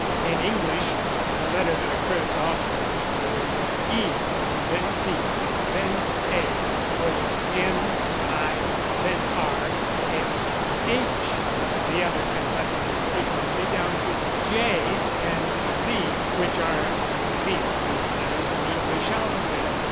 In English the letter that occurs oftenest is E, then T, then A, O, N, I, then R, S, H; the others in lessening frequency down to J and Z, which are the least used letters in the English alphabet.